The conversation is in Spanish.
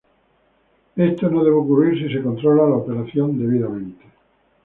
Esto no debe ocurrir si se controla la operación debidamente.